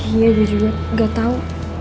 iya gue juga gak tau